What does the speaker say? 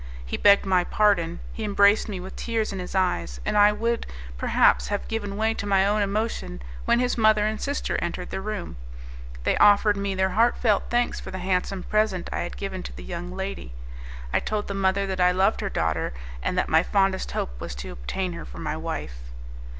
He begged my pardon, he embraced me with tears in his eyes, and I would, perhaps have given way to my own emotion, when his mother and sister entered the room. They offered me their heart felt thanks for the handsome present I had given to the young lady. I told the mother that I loved her daughter, and that my fondest hope was to obtain her for my wife.